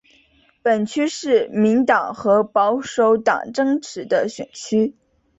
本区是自民党和保守党争持的选区。